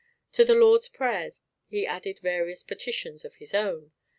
To the Lord's Prayer he added various petitions of his own.